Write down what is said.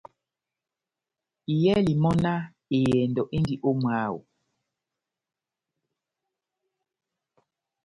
Iyɛli mɔ́náh :« ehɛndɔ endi ó mwáho. »